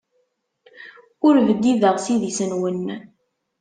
Ur bdideɣ s idis-nwen.